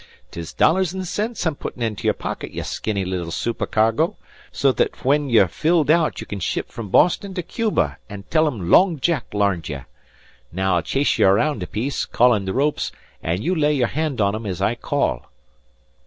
'Tis dollars an' cents I'm puttin' into your pocket, ye skinny little supercargo, so that fwhin ye've filled out ye can ship from Boston to Cuba an' tell thim Long Jack larned you. Now I'll chase ye around a piece, callin' the ropes, an' you'll lay your hand on thim as I call."